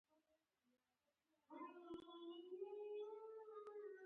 دوی پسته امریکا او اروپا ته لیږي.